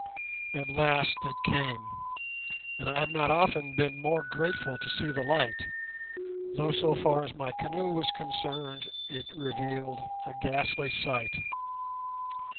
At last it came, and I have not often been more grateful to see the light, though so far as my canoe was concerned it revealed a ghastly sight.